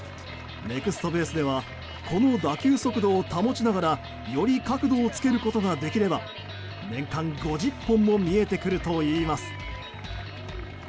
ネクストベースではこの打球速度を保ちながらより角度をつけることができれば年間５０本も見えてくるといいます。